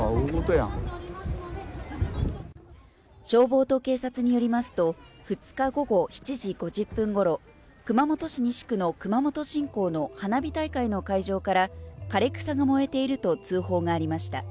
消防と警察によりますと２日午後７時５０分頃、熊本市西区の熊本新港の花火大会の会場から、枯れ草が燃えていると通報がありました。